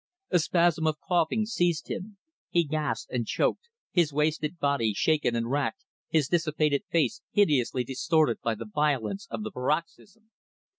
A spasm of coughing seized him; he gasped and choked, his wasted body shaken and racked, his dissipated face hideously distorted by the violence of the paroxysm.